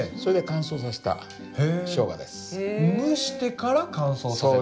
蒸してから乾燥させた？